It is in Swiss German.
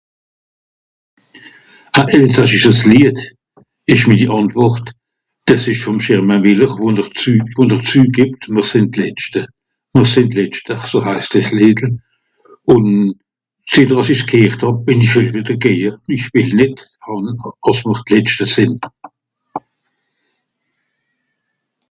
"A elsassisches Lied ìsch minni Àntwùrt. Dìs ìsch vùm Germain Mìller, wo-n-r zü... wo-n-r zügìbbt ""Mìr sìnn d'letschte"", ""Mìr sìnn d'letschte"" so heist dìs Lìedel. Ùn... zetter dàss ìch gheert hàb bìn ìch degéje. ìch wìll nìt àss mr d'letschte sìnn."